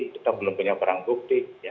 kita belum punya barang bukti